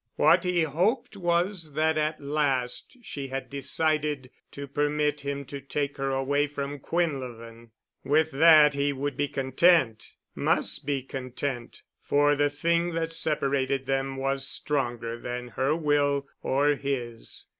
What he hoped was that at last she had decided to permit him to take her away from Quinlevin. With that he would be content—must be content—for the thing that separated them was stronger than her will or his.